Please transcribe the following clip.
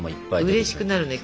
うれしくなるよね